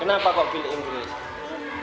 kenapa kau pilih inggris